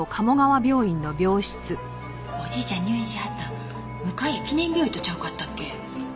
おじいちゃん入院しはったん向谷記念病院とちゃうかったっけ？